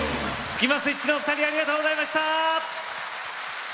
スキマスイッチのお二人ありがとうございました！